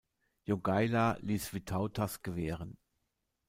Jogaila ließ Vytautas gewähren.